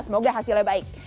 semoga hasilnya baik